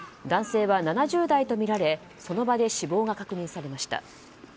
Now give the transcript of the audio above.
男性は７０代とみられその場で死亡が確認されました。